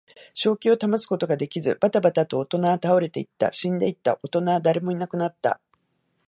正気を保つことができず、ばたばたと大人は倒れていった。死んでいった。大人は誰もいなくなった。